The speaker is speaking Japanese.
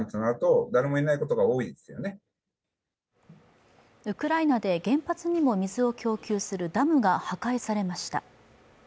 専門家はウクライナで原発にも水を供給するダムが破壊されました。